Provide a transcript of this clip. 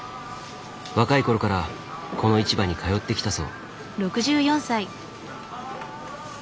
若い頃からこの市場に通ってきたそう。